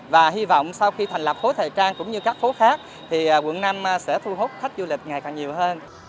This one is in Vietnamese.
và hy vọng sau khi thành lập khối thời trang cũng như các phố khác thì quận năm sẽ thu hút khách du lịch ngày càng nhiều hơn